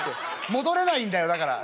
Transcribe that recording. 戻れないんだよだから。